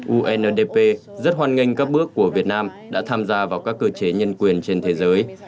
undp rất hoan nghênh các bước của việt nam đã tham gia vào các cơ chế nhân quyền trên thế giới